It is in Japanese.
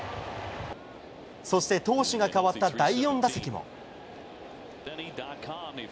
そして、投手が代わった第４打席も。